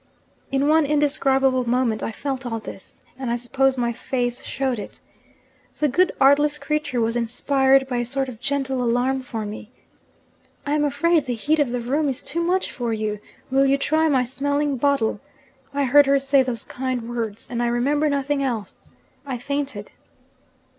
In one indescribable moment I felt all this and I suppose my face showed it. The good artless creature was inspired by a sort of gentle alarm for me. "I am afraid the heat of the room is too much for you; will you try my smelling bottle?" I heard her say those kind words; and I remember nothing else I fainted.